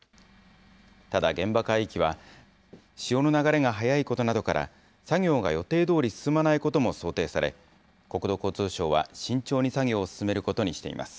ただ、現場海域は潮の流れが速いことなどから、作業が予定どおり進まないことも想定され、国土交通省は慎重に作業を進めることにしています。